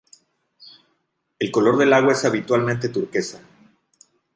El color del agua es habitualmente turquesa.